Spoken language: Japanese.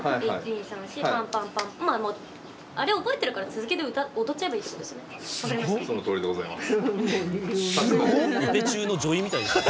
あれ覚えてるから続けて踊っちゃえばいいってことですよね。